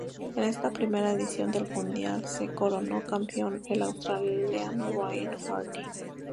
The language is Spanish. En esta primera edición del mundial se coronó campeón el australiano Ryan Hardy.